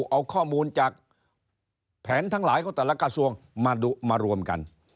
เอาข้อมูลจากแผนทั้งหลายของแต่ละกระทรวงมารวมกัน